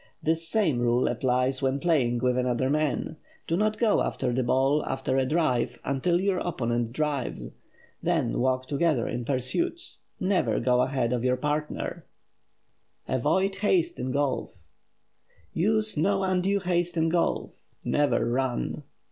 This same rule applies when playing with another man. Do not go after the ball after a drive until your opponent drives. Then walk together in pursuit. Never go ahead of your partner. [Sidenote: AVOID HASTE IN GOLF] Use no undue haste in golf. Never run!